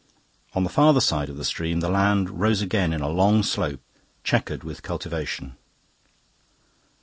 On the farther side of the stream the land rose again in a long slope, chequered with cultivation.